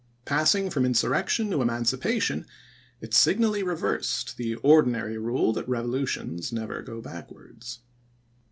Pass ing from insurrection to emancipation, it signally reversed the ordinary rule that revolutions never go backwards.